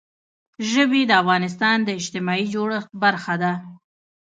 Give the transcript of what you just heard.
ژبې د افغانستان د اجتماعي جوړښت برخه ده.